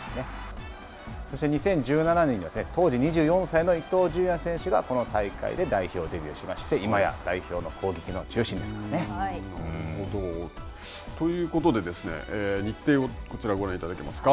そして２０１７年には当時２４歳の伊東純也選手がこの大会で代表デビューしまして、今や代表の攻撃の中心ですからね。ということで、日程をこちら、ご覧いただけますか。